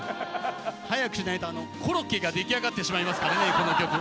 早くしないとコロッケが出来上がってしまいますからねこの曲。